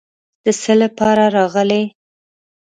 د څه لپاره راغلې.